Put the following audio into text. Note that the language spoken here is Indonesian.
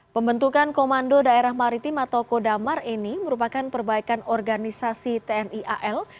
pembentukan komando daerah maritim atau kodamar ini merupakan perbaikan organisasi tni al